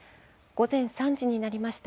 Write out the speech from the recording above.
午前３時になりました。